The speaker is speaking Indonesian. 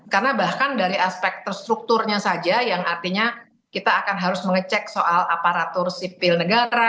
karena bahkan dari aspek terstrukturnya saja yang artinya kita akan harus mengecek soal aparatur sipil negara